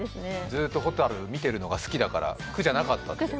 ずっと蛍見てるのが好きだから苦じゃなかったって。